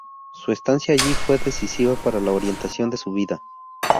Su estancia allí fue decisiva para la orientación de su vida.